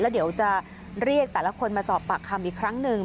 เดี๋ยวจะเรียกแต่ละคนมาสอบปากคำอีกครั้งหนึ่ง